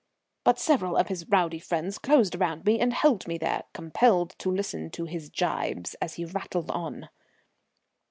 But several of his rowdy friends closed around me and held me there, compelled to listen to his gibes as he rattled on.